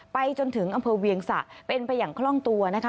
ไปจนถึงอำเภอเวียงสะเป็นไปอย่างคล่องตัวนะคะ